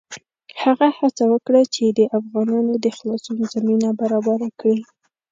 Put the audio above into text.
هغه هڅه وکړه چې د افغانانو د خلاصون زمینه برابره کړي.